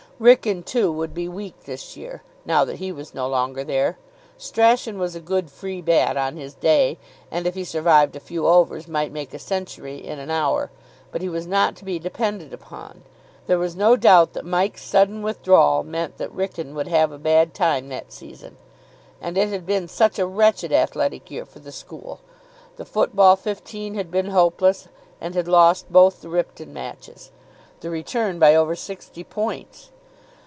Wrykyn, too, would be weak this year, now that he was no longer there. Strachan was a good, free bat on his day, and, if he survived a few overs, might make a century in an hour, but he was not to be depended upon. There was no doubt that Mike's sudden withdrawal meant that Wrykyn would have a bad time that season. And it had been such a wretched athletic year for the school. The football fifteen had been hopeless, and had lost both the Ripton matches, the return by over sixty points.